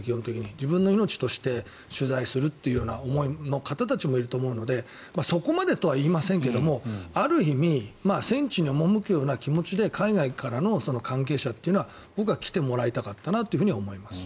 自分の命として取材するという思いの方たちもいると思うのでそこまでとは言いませんけどもある意味戦地に赴くような気持ちで海外からの関係者というのは僕は来てもらいたかったなと思います。